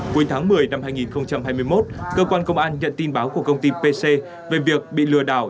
cuối tháng một mươi năm hai nghìn hai mươi một cơ quan công an nhận tin báo của công ty pc về việc bị lừa đảo